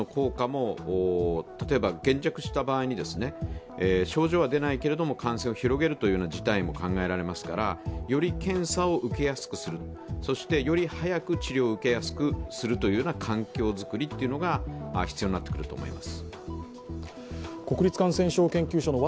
我々医療現場ではワクチンの効果も、例えば減弱した場合に症状は出ないけれども、感染を広げるという事態も考えられますからより検査を受けやすくする、そしてより早く治療を受けやすくする環境作りが必要になってくると思います。